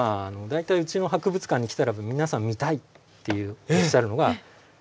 大体うちの博物館に来たら皆さん見たいっておっしゃるのがこれ。